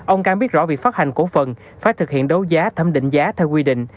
ông càng biết rõ việc phát hành cổ phần phải thực hiện đấu giá thẩm định giá theo quy định